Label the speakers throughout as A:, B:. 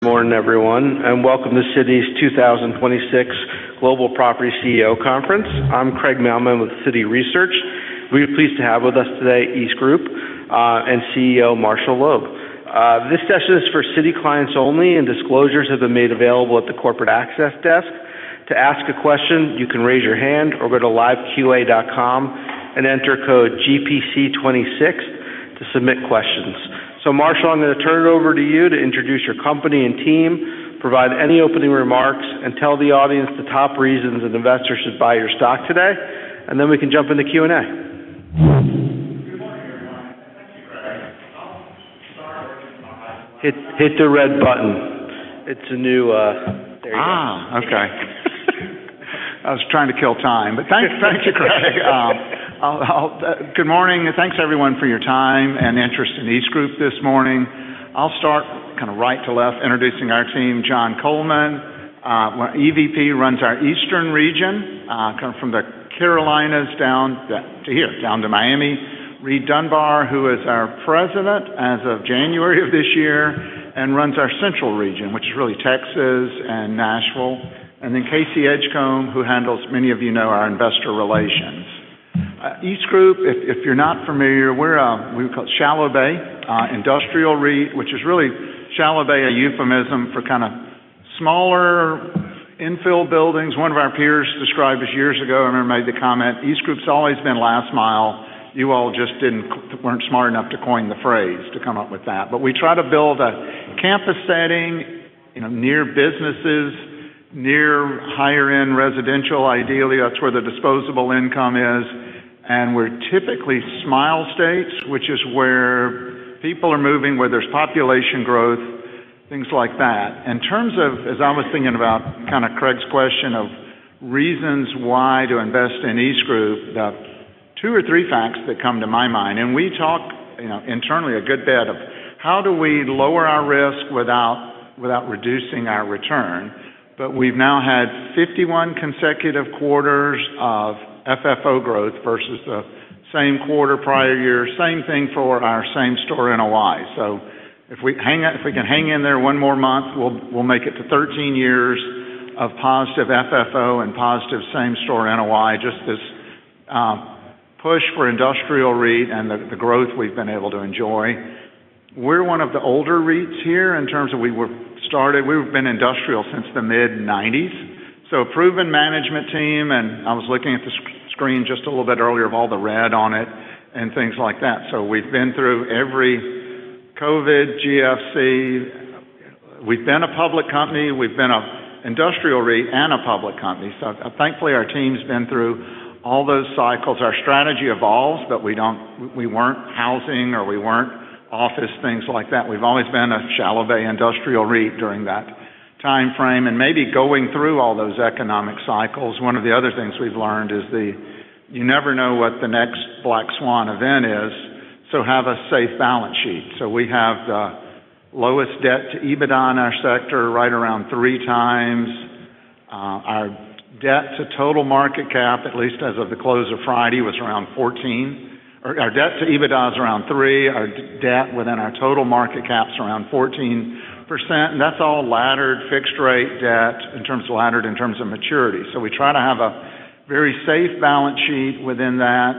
A: Good morning, everyone, and welcome to Citi's 2026 Global Property CEO Conference. I'm Craig Mailman with Citi Research. We are pleased to have with us today EastGroup and CEO Marshall Loeb. This session is for Citi clients only, and disclosures have been made available at the corporate access desk. To ask a question, you can raise your hand or go to liveqa.com and enter code GPC26 to submit questions. Marshall, I'm gonna turn it over to you to introduce your company and team, provide any opening remarks, and tell the audience the top reasons an investor should buy your stock today, and then we can jump into Q&A.
B: Good morning, everyone. Thank you, Craig.
A: Hit the red button. It's new. There you go. Okay.
B: I was trying to kill time, but thanks. Thank you, Craig. Good morning, and thanks everyone for your time and interest in EastGroup this morning. I'll start kinda right to left introducing our team. John Coleman, our EVP, runs our eastern region, coming from the Carolinas down to here, down to Miami. Reid Dunbar, who is our President as of January of this year and runs our central region, which is really Texas and Nashville. Casey Edgecombe, who handles, many of you know, our investor relations. EastGroup, if you're not familiar, we're a, we're called shallow-bay, industrial REIT, which is really shallow-bay, a euphemism for kinda smaller infill buildings. One of our peers described us years ago and made the comment, "EastGroup's always been last mile. You all just weren't smart enough to coin the phrase to come up with that." We try to build a campus setting, you know, near businesses, near higher end residential. Ideally, that's where the disposable income is. We're typically Smile States, which is where people are moving, where there's population growth, things like that. In terms of, as I was thinking about kind of Craig's question of reasons why to invest in EastGroup, the two or three facts that come to my mind, we talk, you know, internally a good bit of how do we lower our risk without reducing our return? We've now had 51 consecutive quarters of FFO growth versus the same quarter prior year. Same thing for our same-store NOI. If we can hang in there one more month, we'll make it to 13 years of positive FFO and positive same-store NOI. Just this push for industrial REIT and the growth we've been able to enjoy. We're one of the older REITs here in terms of we were started. We've been industrial since the mid-90s, a proven management team. I was looking at the screen just a little bit earlier of all the red on it and things like that. We've been through every COVID, GFC. We've been a public company. We've been an industrial REIT and a public company. Thankfully, our team's been through all those cycles. Our strategy evolves. We weren't housing or we weren't office, things like that. We've always been a shallow-bay industrial REIT during that timeframe. Maybe going through all those economic cycles, one of the other things we've learned is, you never know what the next black swan event is. Have a safe balance sheet. We have the lowest debt to EBITDA in our sector, right around 3x. Our debt to total market cap, at least as of the close of Friday, was around 14%. Our debt to EBITDA is around 3x. Our debt within our total market cap's around 14%. That's all laddered fixed rate debt in terms of laddered, in terms of maturity. We try to have a very safe balance sheet within that,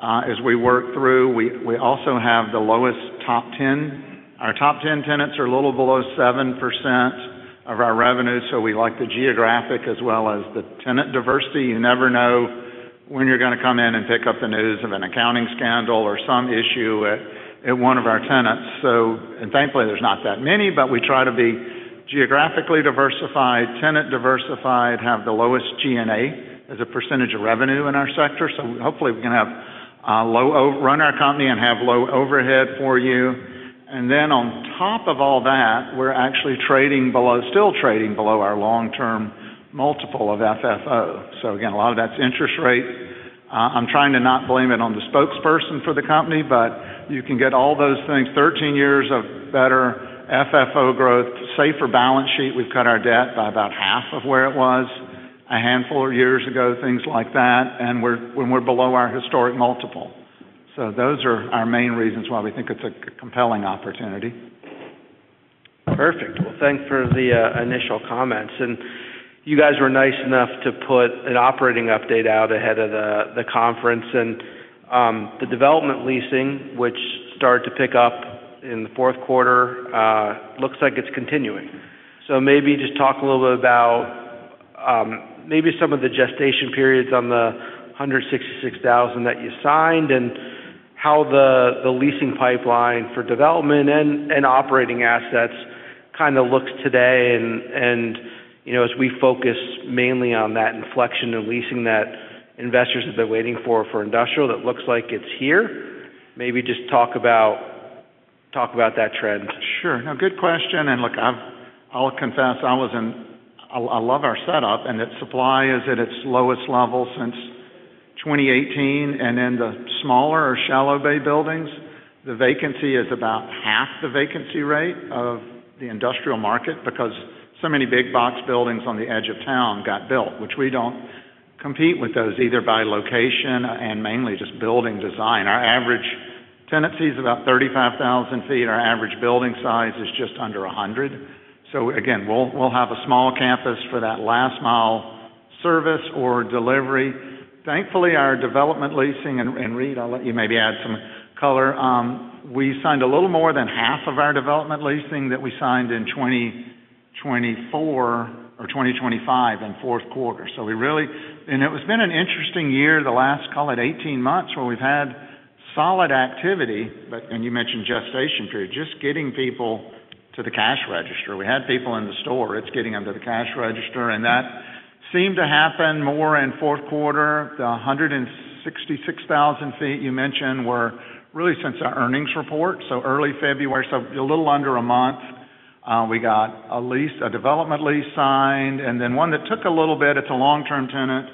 B: as we work through. We also have the lowest top 10. Our top 10 tenants are a little below 7% of our revenue, so we like the geographic as well as the tenant diversity. You never know when you're gonna come in and pick up the news of an accounting scandal or some issue at one of our tenants. Thankfully, there's not that many, but we try to be geographically diversified, tenant diversified, have the lowest G&A as a percentage of revenue in our sector. Hopefully, we can run our company and have low overhead for you. On top of all that, we're actually trading below, still trading below our long-term multiple of FFO. Again, a lot of that's interest rate. I'm trying to not blame it on the spokesperson for the company, but you can get all those things, 13 years of better FFO growth, safer balance sheet. We've cut our debt by about half of where it was a handful of years ago, things like that. We're below our historic multiple. Those are our main reasons why we think it's a compelling opportunity.
A: Perfect. Well, thanks for the initial comments. You guys were nice enough to put an operating update out ahead of the conference. The development leasing, which started to pick up in the fourth quarter, looks like it's continuing. Maybe just talk a little bit about maybe some of the gestation periods on the 166,000 sq ft that you signed and how the leasing pipeline for development and operating assets kinda looks today and, you know, as we focus mainly on that inflection of leasing that investors have been waiting for for industrial that looks like it's here. Maybe just talk about that trend.
B: Sure. No, good question. I'll confess I was in. I love our setup. Its supply is at its lowest level since 2018. In the smaller or shallow-bay buildings, the vacancy is about half the vacancy rate of the industrial market because so many big box buildings on the edge of town got built, which we don't compete with those either by location and mainly just building design. Our average tenancies about 35,000 ft. Our average building size is just under 100. Again, we'll have a small campus for that last mile service or delivery. Thankfully, our development leasing, Reid, I'll let you maybe add some color. We signed a little more than half of our development leasing that we signed in 2024 or 2025 in fourth quarter. We really—it has been an interesting year, the last, call it 18 months, where we've had solid activity. You mentioned gestation period, just getting people to the cash register. We had people in the store. It's getting them to the cash register, and that seemed to happen more in fourth quarter. The 166,000 sq ft you mentioned were really since our earnings report, so early February, so a little under a month. We got a lease, a development lease signed, and then one that took a little bit. It's a long-term tenant,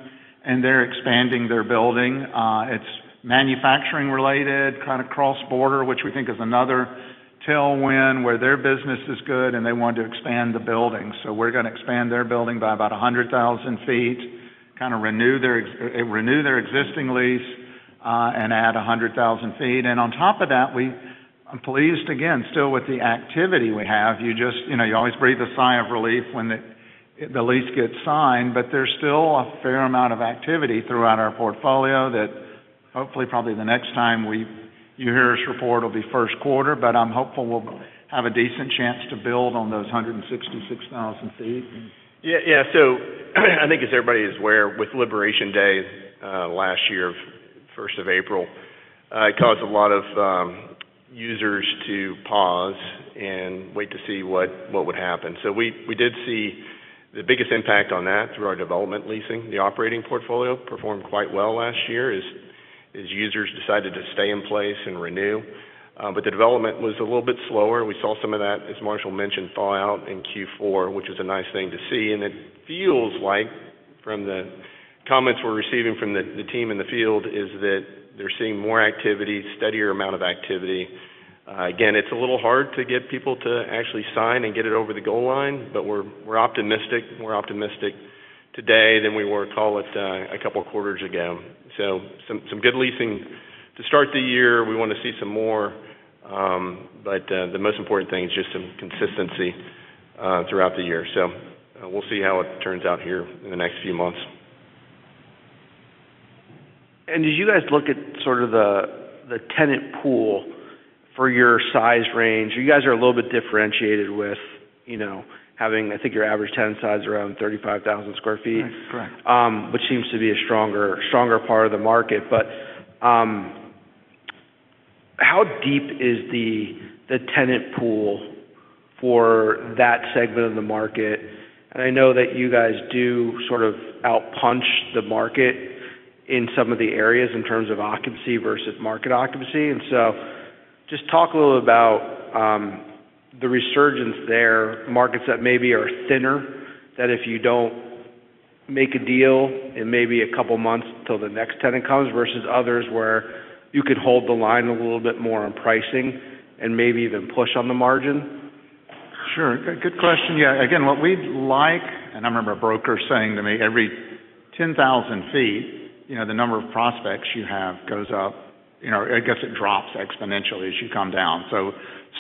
B: and they're expanding their building. It's manufacturing related, kind of cross-border, which we think is another tailwind where their business is good, and they want to expand the building. We're gonna expand their building by about 100,000 sq ft, kind of renew their existing lease, and add 100,000 sq ft. On top of that, I'm pleased again still with the activity we have. You just, you know, you always breathe a sigh of relief when the lease gets signed, but there's still a fair amount of activity throughout our portfolio that hopefully, probably the next time you hear us report, it'll be first quarter. I'm hopeful we'll have a decent chance to build on those 166,000 sq ft.
C: Yeah. Yeah. I think as everybody is aware, with Liberation Day, last year, first of April, it caused a lot of users to pause and wait to see what would happen. We did see the biggest impact on that through our development leasing. The operating portfolio performed quite well last year as users decided to stay in place and renew. The development was a little bit slower. We saw some of that, as Marshall mentioned, thaw out in Q4, which is a nice thing to see. It feels like, from the comments we're receiving from the team in the field, is that they're seeing more activity, steadier amount of activity. Again, it's a little hard to get people to actually sign and get it over the goal line, but we're optimistic. We're optimistic today than we were, call it, a couple quarters ago. Some good leasing to start the year. We wanna see some more, but, the most important thing is just some consistency throughout the year. We'll see how it turns out here in the next few months.
A: Did you guys look at sort of the tenant pool for your size range? You guys are a little bit differentiated with, you know, having, I think, your average tenant size around 35,000 sq ft.
B: Right. Correct.
A: which seems to be a stronger part of the market. How deep is the tenant pool for that segment of the market? I know that you guys do sort of outpunch the market in some of the areas in terms of occupancy versus market occupancy. Just talk a little about the resurgence there, markets that maybe are thinner, that if you don't make a deal, it may be a couple of months till the next tenant comes, versus others where you could hold the line a little bit more on pricing and maybe even push on the margin.
B: Sure. Good question. Yeah. Again, what we'd like, and I remember a broker saying to me, every 10,000 sq ft, you know, the number of prospects you have goes up. You know, I guess it drops exponentially as you come down.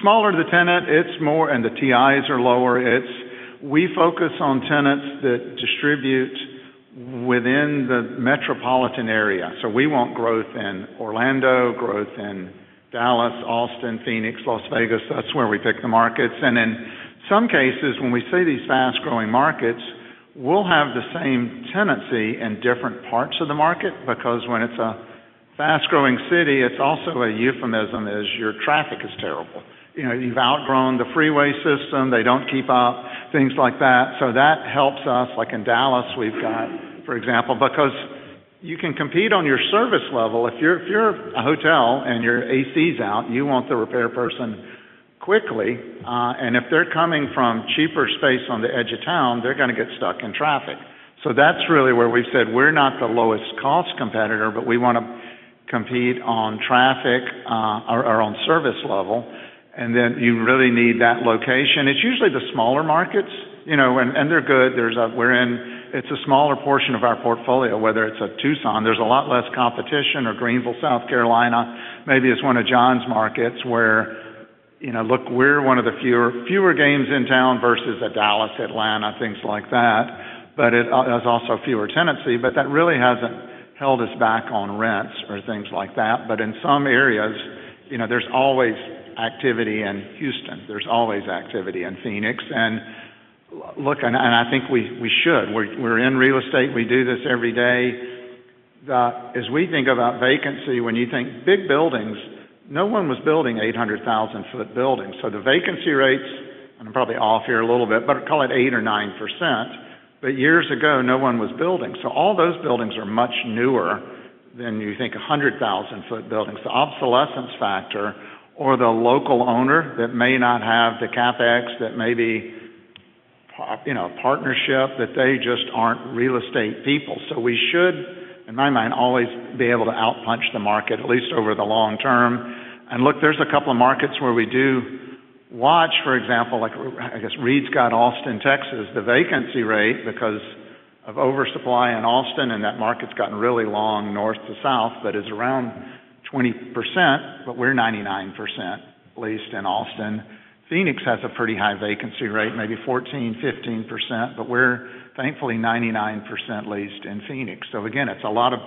B: Smaller the tenant, it's more, and the TIs are lower. It's we focus on tenants that distribute within the metropolitan area. We want growth in Orlando, growth in Dallas, Austin, Phoenix, Las Vegas. That's where we pick the markets. In some cases, when we see these fast-growing markets, we'll have the same tenancy in different parts of the market because when it's a fast-growing city, it's also a euphemism as your traffic is terrible. You know, you've outgrown the freeway system. They don't keep up, things like that. That helps us. Like in Dallas, we've got, for example, because you can compete on your service level. If you're a hotel, and your AC's out, you want the repair person quickly. If they're coming from cheaper space on the edge of town, they're gonna get stuck in traffic. That's really where we've said, we're not the lowest cost competitor, but we wanna compete on traffic, or on service level, and then you really need that location. It's usually the smaller markets, you know, and they're good. It's a smaller portion of our portfolio, whether it's at Tucson, there's a lot less competition or Greenville, South Carolina, maybe it's one of John's markets where, you know, look, we're one of the fewer games in town versus a Dallas, Atlanta, things like that. There's also fewer tenancy, but that really hasn't held us back on rents or things like that. In some areas, you know, there's always activity in Houston. There's always activity in Phoenix. Look, and I think we should. We're in real estate. We do this every day. As we think about vacancy, when you think big buildings, no one was building 800,000 sq ft buildings. The vacancy rates, I'm probably off here a little bit, but call it 8% or 9%. Years ago, no one was building. All those buildings are much newer than you think 100,000 sq ft buildings. The obsolescence factor or the local owner that may not have the CapEx, that may be you know, a partnership, that they just aren't real estate people. We should, in my mind, always be able to outpunch the market, at least over the long term. Look, there's a couple of markets where we do. Watch, for example, like, I guess Reid's got Austin, Texas. The vacancy rate because of oversupply in Austin and that market's gotten really long north to south, but is around 20%, but we're 99% leased in Austin. Phoenix has a pretty high vacancy rate, maybe 14%, 15%, but we're thankfully 99% leased in Phoenix. Again, it's a lot of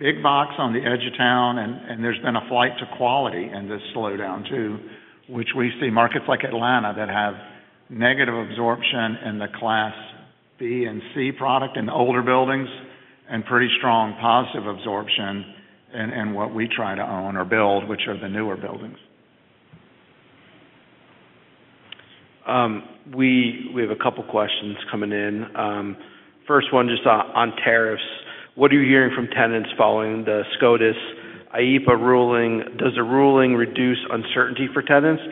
B: big box on the edge of town, and there's been a flight to quality in this slowdown too, which we see markets like Atlanta that have negative absorption in the Class B and C product in the older buildings and pretty strong positive absorption in what we try to own or build, which are the newer buildings.
A: We have a couple questions coming in. First one on tariffs. What are you hearing from tenants following the SCOTUS IEEPA ruling? Does the ruling reduce uncertainty for tenants,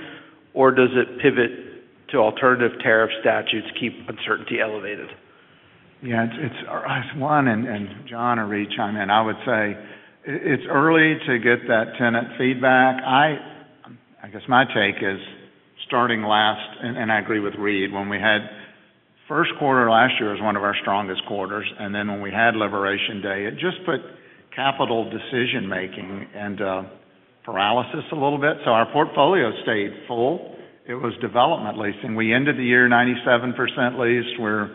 A: or does it pivot to alternative tariff statutes keep uncertainty elevated?
B: Yeah. It's as one, and John or Reid chime in. I would say it's early to get that tenant feedback. I guess my take is starting last, and I agree with Reid. When we had first quarter last year was one of our strongest quarters, and then when we had Liberation Day, it just put capital decision-making and paralysis a little bit. Our portfolio stayed full. It was development leasing. We ended the year 97% leased. We're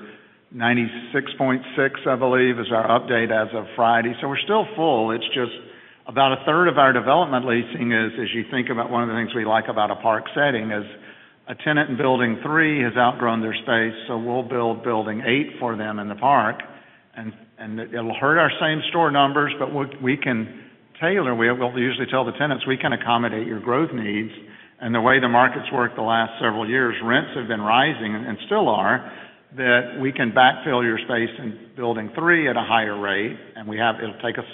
B: 96.6%, I believe, is our update as of Friday. We're still full. It's just about a third of our development leasing is, as you think about one of the things we like about a park setting is a tenant in building 3 has outgrown their space. We'll build building 8 for them in the park, and it'll hurt our same-store numbers, but we can tailor. We usually tell the tenants, we can accommodate your growth needs. The way the market's worked the last several years, rents have been rising and still are, that we can backfill your space in building 3 at a higher rate. It'll take us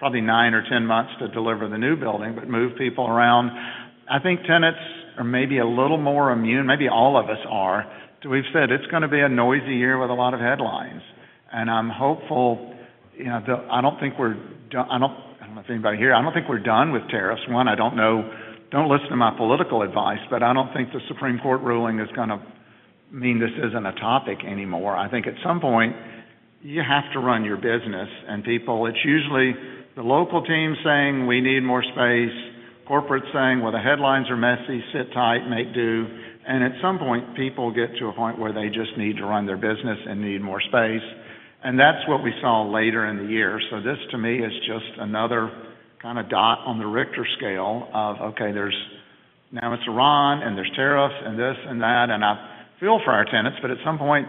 B: probably nine or 10 months to deliver the new building, but move people around. I think tenants are maybe a little more immune, maybe all of us are. We've said it's gonna be a noisy year with a lot of headlines. I'm hopeful, you know, I don't think we're I don't know if anybody here. I don't think we're done with tariffs. One, I don't know. Don't listen to my political advice, but I don't think the Supreme Court ruling is gonna mean this isn't a topic anymore. I think at some point, you have to run your business, and people, it's usually the local team saying, "We need more space." Corporate saying, "Well, the headlines are messy. Sit tight. Make do." At some point, people get to a point where they just need to run their business and need more space. That's what we saw later in the year. This, to me, is just another kind of dot on the Richter scale of, okay, now it's Iran, and there's tariffs and this and that. I feel for our tenants, but at some point,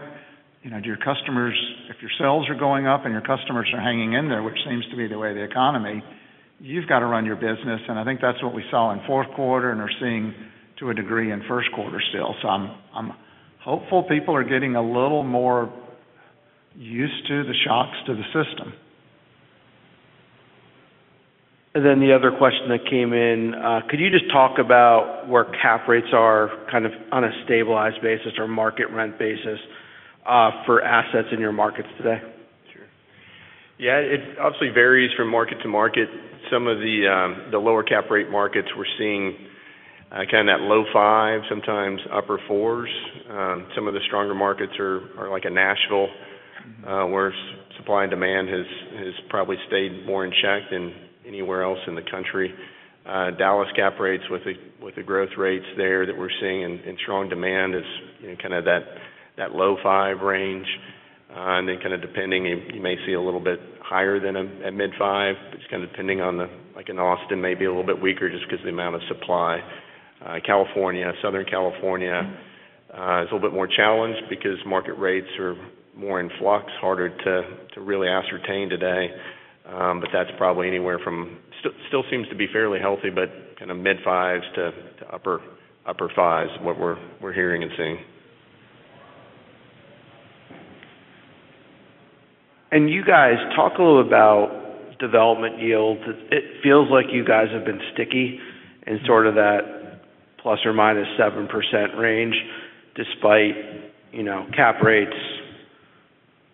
B: you know, do your customers if your sales are going up and your customers are hanging in there, which seems to be the way of the economy, you've got to run your business. I think that's what we saw in fourth quarter and are seeing to a degree in first quarter still. I'm hopeful people are getting a little more used to the shocks to the system.
A: The other question that came in, could you just talk about where cap rates are kind of on a stabilized basis or market rent basis, for assets in your markets today?
C: Sure. Yeah. It obviously varies from market to market. Some of the the lower cap rate markets we're seeing kind of that low 5s, sometimes upper 4s. Some of the stronger markets are like a Nashville, where supply and demand has probably stayed more in check than anywhere else in the country. Dallas cap rates with the growth rates there that we're seeing and strong demand is, you know, kind of that low 5s range. And then kind of depending, you may see a little bit higher than, at mid-5s. It's kind of depending like in Austin, maybe a little bit weaker just 'cause the amount of supply. California, Southern California is a little bit more challenged because market rates are more in flux, harder to really ascertain today. That's probably anywhere from still seems to be fairly healthy but kinda mid-5s to upper 5s, what we're hearing and seeing.
A: You guys talk a little about development yields. It feels like you guys have been sticky in sort of that ±7% range despite, you know, cap rates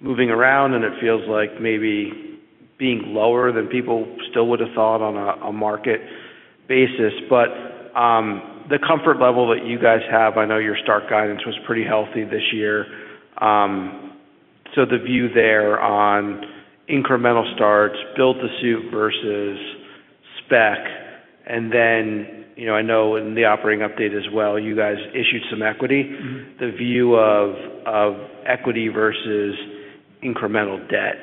A: moving around, and it feels like maybe being lower than people still would have thought on a market basis. The comfort level that you guys have, I know your start guidance was pretty healthy this year. The view there on incremental starts, build-to-suit versus spec, and then, you know, I know in the operating update as well, you guys issued some equity. The view of equity versus incremental debt.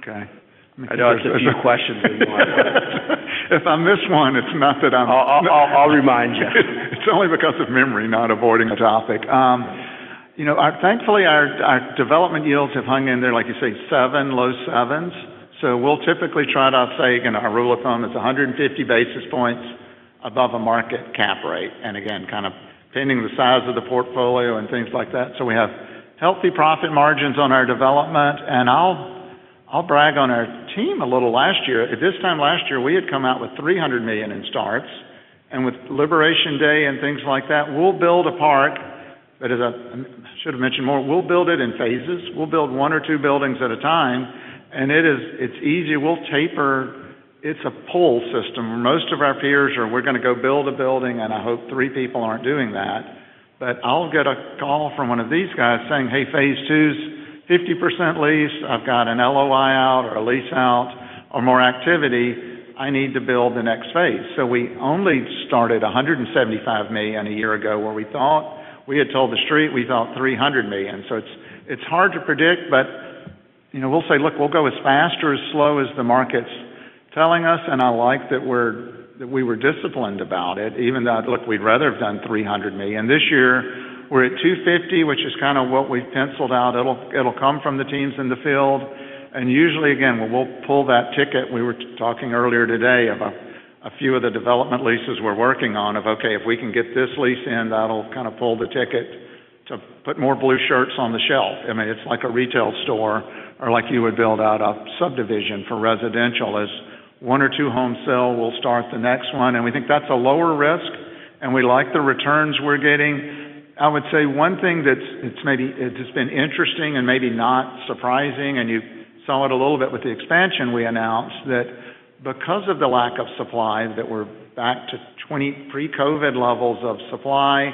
B: Okay.
A: I know that's a few questions in one.
B: If I miss one, it's not that I'm—
A: I'll remind you.
B: It's only because of memory, not avoiding the topic. You know, thankfully, our development yields have hung in there, like you say, 7%, low 7s. We'll typically try to upstate. You know, our rule of thumb is 150 basis points above a market cap rate. Again, kind of depending the size of the portfolio and things like that. We have healthy profit margins on our development, and I'll brag on our team a little. This time last year, we had come out with $300 million in starts. With Liberation Day and things like that, we'll build a park, but as I should have mentioned more, we'll build it in phases. We'll build one or two buildings at a time, and it's easy. We'll taper. It's a pull system. Most of our peers are, we're gonna go build a building, and I hope three people aren't doing that. I'll get a call from one of these guys saying, "Hey, phase II's 50% leased. I've got an LOI out or a lease out or more activity. I need to build the next phase." We only started $175 million a year ago, where we had told The Street we thought $300 million. It's, it's hard to predict, but, you know, we'll say, "Look, we'll go as fast or as slow as the market's telling us." I like that we were disciplined about it, even though, look, we'd rather have done $300 million. This year, we're at $250 million, which is kind of what we penciled out. It'll come from the teams in the field. Usually, again, we'll pull that ticket. We were talking earlier today about a few of the development leases we're working on of, okay, if we can get this lease in, that'll kind of pull the ticket to put more blue shirts on the shelf. I mean, it's like a retail store or like you would build out a subdivision for residential. As one or two homes sell, we'll start the next one. We think that's a lower risk, and we like the returns we're getting. I would say one thing that's, it's just been interesting and maybe not surprising, and you saw it a little bit with the expansion we announced, that because of the lack of supply, that we're back to pre-COVID levels of supply.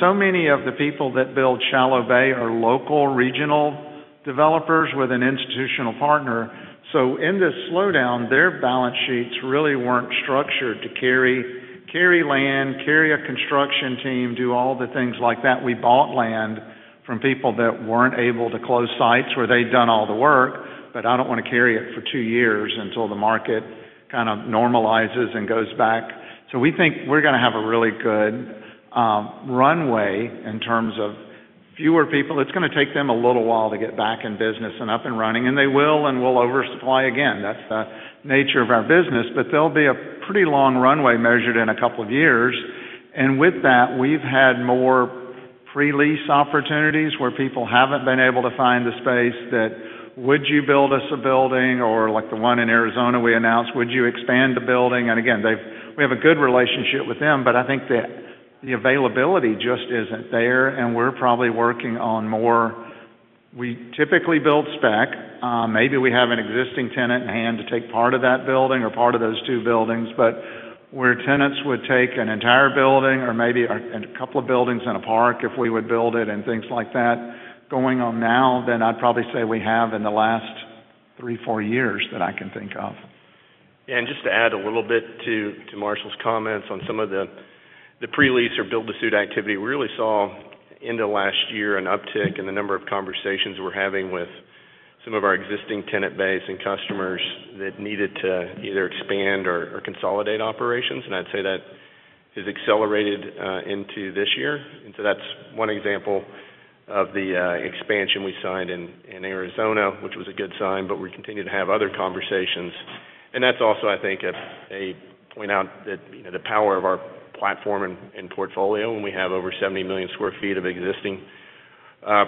B: So many of the people that build shallow-bay are local, regional developers with an institutional partner. In this slowdown, their balance sheets really weren't structured to carry land, carry a construction team, do all the things like that. We bought land from people that weren't able to close sites where they'd done all the work, but I don't want to carry it for two years until the market kind of normalizes and goes back. We think we're gonna have a really good runway in terms of fewer people. It's gonna take them a little while to get back in business and up and running, and they will, and we'll oversupply again. That's the nature of our business. There'll be a pretty long runway measured in a couple of years. With that, we've had more pre-lease opportunities where people haven't been able to find the space that, would you build us a building? Like the one in Arizona we announced, would you expand the building? Again, we have a good relationship with them, but I think the availability just isn't there, and we're probably working on more. We typically build spec. Maybe we have an existing tenant in hand to take part of that building or part of those two buildings. Where tenants would take an entire building or maybe a couple of buildings in a park if we would build it and things like that going on now, I'd probably say we have in the last three, four years that I can think of.
C: Just to add a little bit to Marshall's comments on some of the pre-lease or build-to-suit activity. We really saw end of last year an uptick in the number of conversations we're having with some of our existing tenant base and customers that needed to either expand or consolidate operations, and I'd say that has accelerated into this year. That's one example of the expansion we signed in Arizona, which was a good sign, but we continue to have other conversations. That's also, I think, a point out that, you know, the power of our platform and portfolio, when we have over 70 million sq ft of existing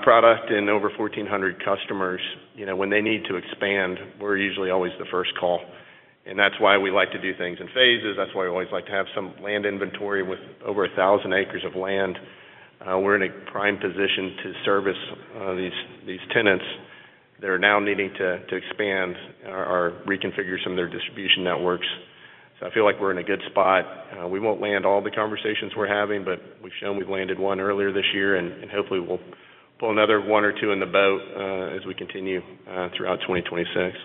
C: product and over 1,400 customers. You know, when they need to expand, we're usually always the first call. That's why we like to do things in phases. That's why we always like to have some land inventory. With over 1,000 acres of land, we're in a prime position to service, these tenants that are now needing to expand or reconfigure some of their distribution networks. I feel like we're in a good spot. We won't land all the conversations we're having, but we've shown we've landed one earlier this year, and hopefully we'll pull another one or two in the boat, as we continue, throughout 2026.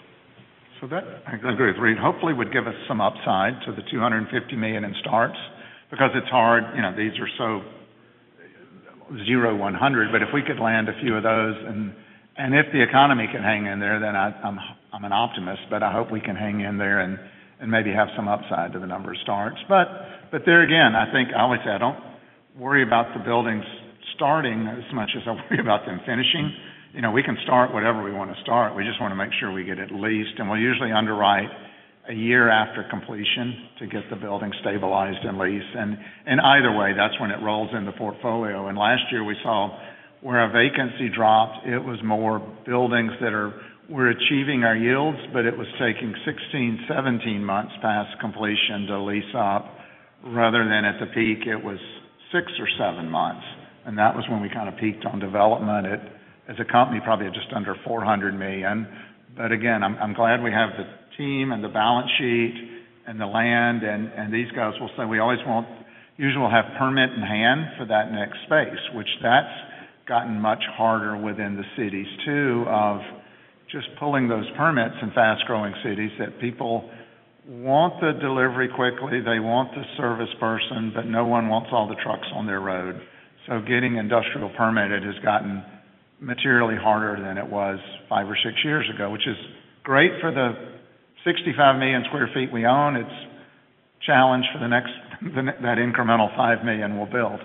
B: That, I agree with Reid, hopefully would give us some upside to the $250 million in starts because it's hard. You know, these are so 0, 100. If we could land a few of those, and if the economy can hang in there, then I'm an optimist. I hope we can hang in there and maybe have some upside to the number of starts. There again, I think I always say, I don't worry about the buildings starting as much as I worry about them finishing. You know, we can start whatever we want to start. We just want to make sure we get it leased. We'll usually underwrite a year after completion to get the building stabilized and leased. Either way, that's when it rolls in the portfolio. Last year, we saw where our vacancy dropped, it was more buildings we're achieving our yields, but it was taking 16, 17 months past completion to lease up, rather than at the peak, it was six or seven months. That was when we kind of peaked on development at, as a company, probably just under $400 million. Again, I'm glad we have the team and the balance sheet and the land and these guys will say, we always usually we'll have permit in hand for that next space, which that's gotten much harder within the cities too, of just pulling those permits in fast-growing cities that people want the delivery quickly. They want the service person, but no one wants all the trucks on their road. Getting industrial permitted has gotten materially harder than it was five or six years ago, which is great for the 65 million sq ft we own. It's a challenge for that incremental 5 million we'll build.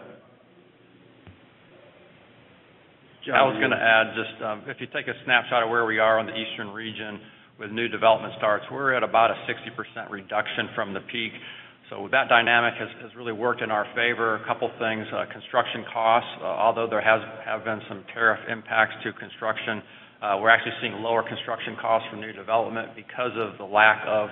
B: John, you.
D: I was gonna add just, if you take a snapshot of where we are on the eastern region with new development starts, we're at about a 60% reduction from the peak. That dynamic has really worked in our favor. A couple things, construction costs, although there have been some tariff impacts to construction, we're actually seeing lower construction costs for new development because of the lack of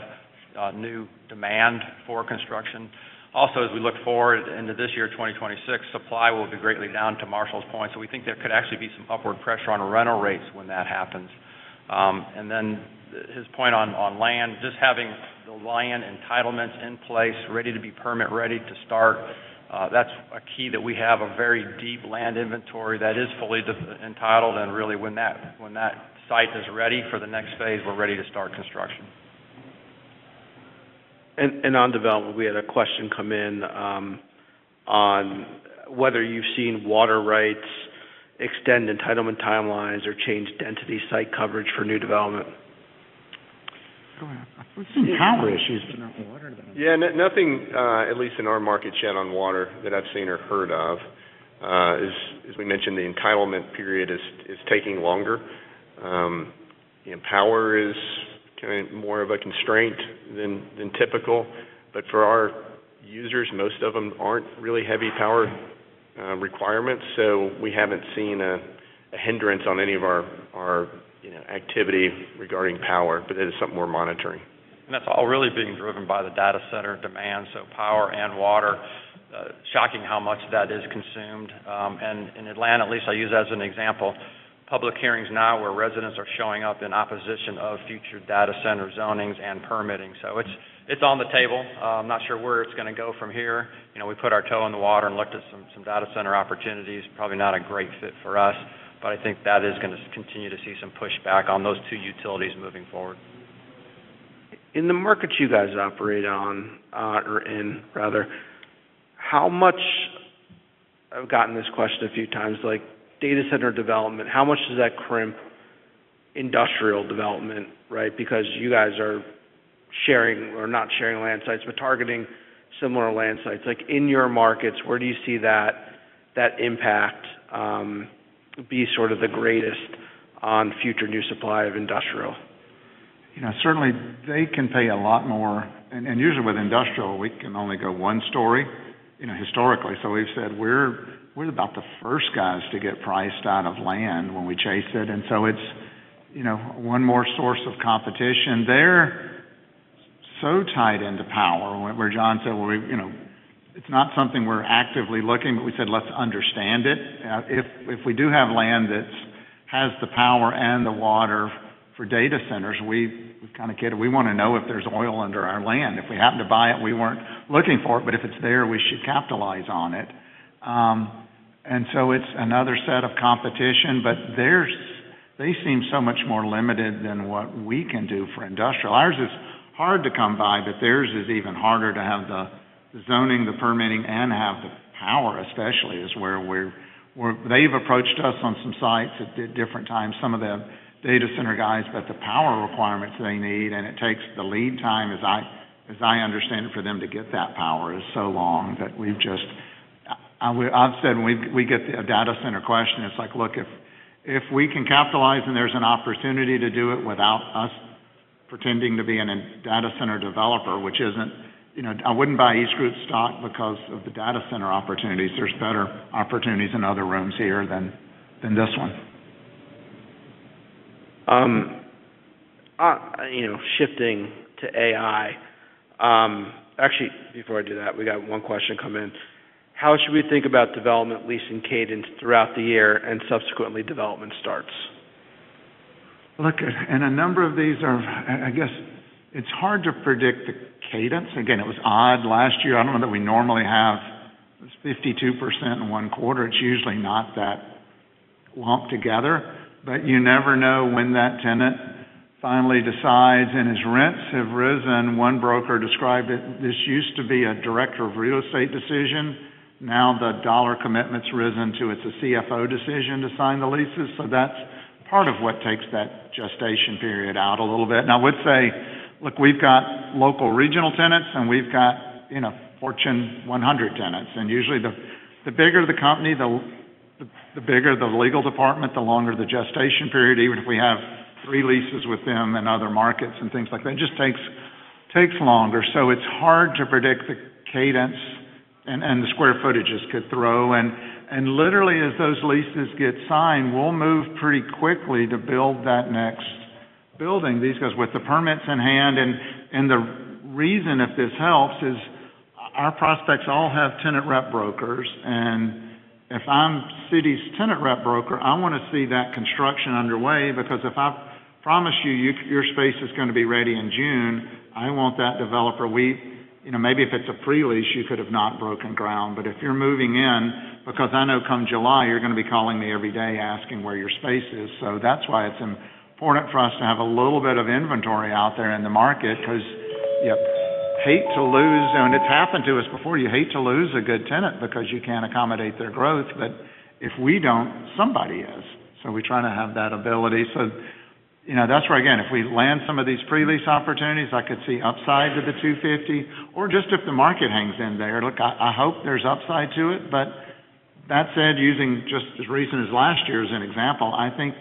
D: new demand for construction. As we look forward into this year, 2026, supply will be greatly down to Marshall's point. We think there could actually be some upward pressure on rental rates when that happens. His point on land, just having the land entitlements in place, ready to be permit-ready to start, that's a key that we have a very deep land inventory that is fully entitled. Really, when that site is ready for the next phase, we're ready to start construction.
A: On development, we had a question come in, on whether you've seen water rights extend entitlement timelines or change density site coverage for new development.
B: Yeah. Nothing, at least in our market yet on water that I've seen or heard of. As we mentioned, the entitlement period is taking longer. Power is kind of more of a constraint than typical. For our users, most of them aren't really heavy power requirements, so we haven't seen a hindrance on any of our, you know, activity regarding power. It is something we're monitoring.
D: That's all really being driven by the data center demand. Power and water, shocking how much that is consumed. In Atlanta, at least I use as an example, public hearings now where residents are showing up in opposition of future data center zonings and permitting. It's on the table. I'm not sure where it's gonna go from here. You know, we put our toe in the water and looked at some data center opportunities. Probably not a great fit for us. I think that is gonna continue to see some pushback on those two utilities moving forward.
A: In the markets you guys operate on, or in rather, I've gotten this question a few times, like, data center development, how much does that crimp industrial development, right? Because you guys are sharing or not sharing land sites, but targeting similar land sites. Like, in your markets, where do you see that impact, be sort of the greatest on future new supply of industrial?
B: You know, certainly they can pay a lot more. Usually with industrial, we can only go one story, you know, historically. We've said we're about the first guys to get priced out of land when we chase it's, you know, one more source of competition. They're so tied into power, where John said, well, you know, it's not something we're actively looking, we said, let's understand it. If we do have land that has the power and the water for data centers, we've kind of kidded, we wanna know if there's oil under our land. If we happen to buy it, we weren't looking for it, if it's there, we should capitalize on it. It's another set of competition, they seem so much more limited than what we can do for industrial. Ours is hard to come by. Theirs is even harder to have the zoning, the permitting, and have the power especially is where we're. They've approached us on some sites at different times, some of the data center guys. The power requirements they need, and it takes the lead time, as I understand it, for them to get that power is so long that we've just. I've said when we get a data center question, it's like, look, if we can capitalize and there's an opportunity to do it without us pretending to be a data center developer, which isn't. You know, I wouldn't buy EastGroup's stock because of the data center opportunities. There's better opportunities in other rooms here than this one.
A: You know, shifting to AI. actually, before I do that, we got one question come in. How should we think about development leasing cadence throughout the year and subsequently development starts?
B: A number of these are. I guess it's hard to predict the cadence. Again, it was odd last year. I don't know that we normally have 52% in one quarter. It's usually not that lumped together. You never know when that tenant finally decides, and his rents have risen. One broker described it, this used to be a director of real estate decision. Now the dollar commitment's risen to it's a CFO decision to sign the leases. That's part of what takes that gestation period out a little bit. I would say, look, we've got local regional tenants, and we've got, you know, Fortune 100 tenants. Usually the bigger the company, the bigger the legal department, the longer the gestation period, even if we have three leases with them in other markets and things like that. It just takes longer. It's hard to predict the cadence. The square footages could throw. Literally, as those leases get signed, we'll move pretty quickly to build that next building. These guys, with the permits in hand. The reason, if this helps, is our prospects all have tenant rep brokers. If I'm Citi's tenant rep broker, I wanna see that construction underway, because if I promise you, your space is gonna be ready in June, I want that developer—you know, maybe if it's a pre-lease, you could have not broken ground. If you're moving in, because I know come July, you're gonna be calling me every day asking where your space is. That's why it's important for us to have a little bit of inventory out there in the market, 'cause you hate to lose. It's happened to us before. You hate to lose a good tenant because you can't accommodate their growth. If we don't, somebody is. We try to have that ability. You know, that's where, again, if we land some of these pre-lease opportunities, I could see upside to the $250 million, or just if the market hangs in there. Look, I hope there's upside to it. That said, using just as recent as last year as an example, I think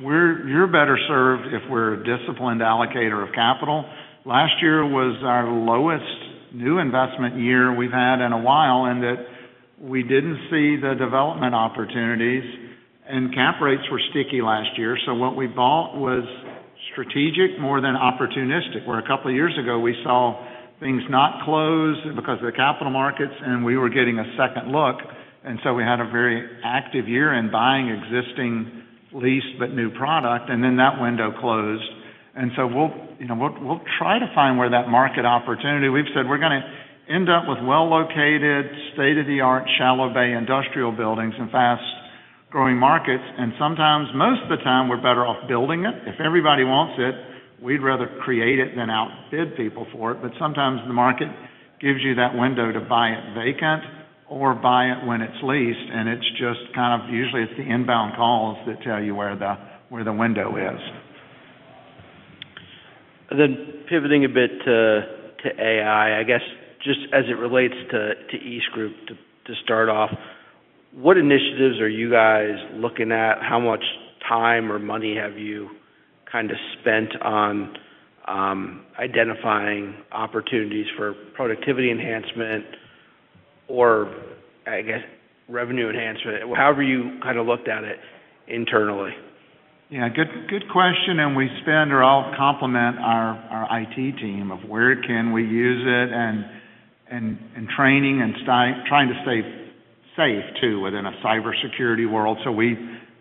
B: you're better served if we're a disciplined allocator of capital. Last year was our lowest new investment year we've had in a while, in that we didn't see the development opportunities. Cap rates were sticky last year, so what we bought was strategic more than opportunistic. Where a couple years ago, we saw things not close because of the capital markets, and we were getting a second look. We had a very active year in buying existing lease but new product, and then that window closed. We'll, you know, we'll try to find where that market opportunity. We've said we're gonna end up with well-located, state-of-the-art shallow-bay industrial buildings in fast-growing markets. Sometimes, most of the time, we're better off building it. If everybody wants it, we'd rather create it than outbid people for it. Sometimes the market gives you that window to buy it vacant or buy it when it's leased, and it's just kind of—usually, it's the inbound calls that tell you where the window is.
A: Pivoting a bit to AI, I guess, just as it relates to EastGroup to start off, what initiatives are you guys looking at? How much time or money have you kinda spent on identifying opportunities for productivity enhancement or, I guess, revenue enhancement? However you kinda looked at it internally.
B: Yeah, good question. We spend or I'll complement our IT team of where can we use it and training and trying to stay safe too within a cybersecurity world. We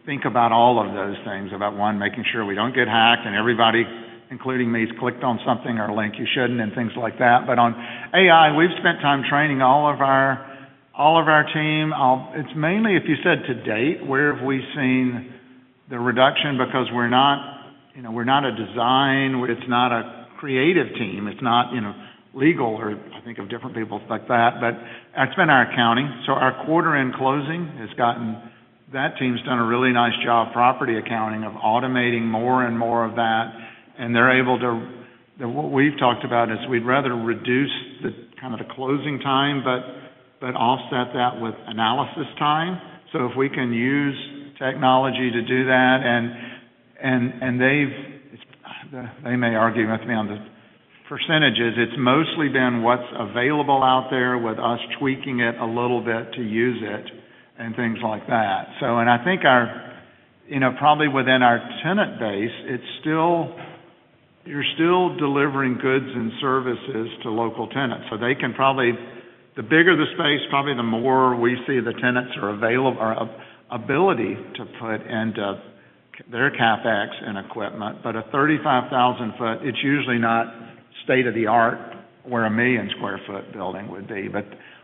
B: think about all of those things. About one, making sure we don't get hacked, and everybody, including me, has clicked on something or a link you shouldn't and things like that. On AI, we've spent time training all of our team. It's mainly if you said to date, where have we seen the reduction because we're not, you know, we're not a design—it's not a creative team. It's not, you know, legal or I think of different people like that. It's been our accounting. Our quarter-end closing has gotten— That team's done a really nice job, property accounting, of automating more and more of that. What we've talked about is we'd rather reduce the, kind of the closing time, but offset that with analysis time. If we can use technology to do that, and They may argue with me on the percentages. It's mostly been what's available out there with us tweaking it a little bit to use it and things like that. I think our, you know, probably within our tenant base, you're still delivering goods and services to local tenants. They can probably The bigger the space, probably the more we see the tenants are ability to put into their CapEx and equipment. A 35,000 sq ft, it's usually not state-of-the-art where a 1 million sq ft building would be.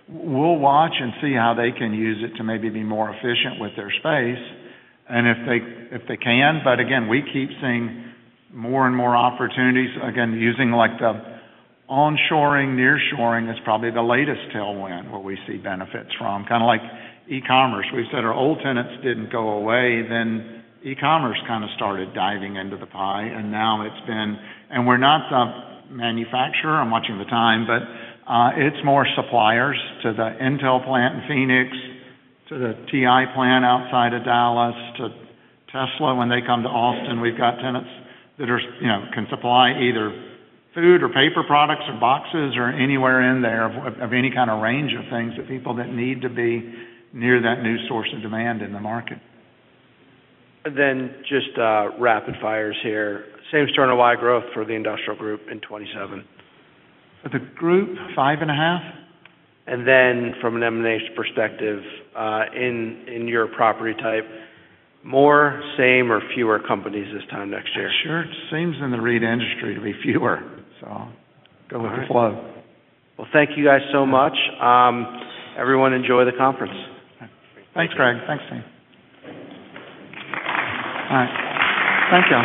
B: We'll watch and see how they can use it to maybe be more efficient with their space. If they can. Again, we keep seeing more and more opportunities. Again, using like the onshoring, nearshoring is probably the latest tailwind where we see benefits from. Kind of like e-commerce. We've said our old tenants didn't go away, then e-commerce kind of started diving into the pie, and now it's been—and we're not the manufacturer much of the time, but it's more suppliers to the Intel plant in Phoenix, to the TI plant outside of Dallas, to Tesla when they come to Austin. We've got tenants that are, you know, can supply either food or paper products or boxes or anywhere in there of any kind of range of things that people that need to be near that new source of demand in the market.
A: Just rapid fires here. Same-store NOI growth for the industrial group in 2027?
B: The group, 5.5%.
A: From an M&A perspective, in your property type, more, same or fewer companies this time next year?
B: Sure. It seems in the REIT industry to be fewer. Go with the flow.
A: Well, thank you guys so much. Everyone enjoy the conference.
B: Thanks, Craig.
A: Thanks, team. All right. Thank you.